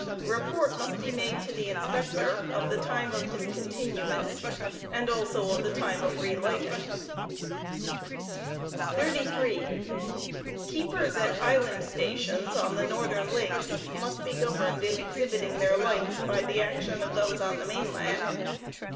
Beport* must be made to the Inspector of the time of discontinuance and also of the time of relighting. 33. Keepers at island stations on the northern lakes must be governed in exhibit ing'theh; lights by the action of those on the mainland.